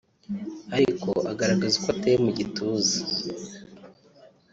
ariko agaragaza uko ateye mu gituza